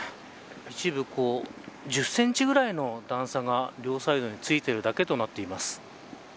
一部、１０センチぐらいの段差が両サイドに付いているだけとなっています。